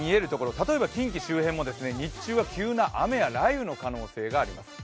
例えば近畿周辺も、日中は急な雨や雷雨の可能性があります。